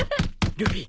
ルフィ！